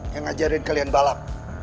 yang ngajarin kalian balap